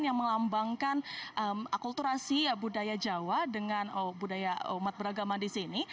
yang melambangkan akulturasi budaya jawa dengan budaya umat beragama di sini